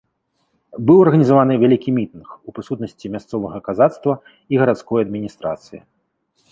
Быў арганізаваны вялікі мітынг, у прысутнасці мясцовага казацтва і гарадской адміністрацыі.